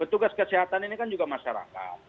petugas kesehatan ini kan juga masyarakat